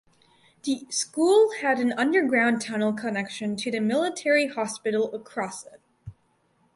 The school had an underground tunnel connection to the military hospital across it.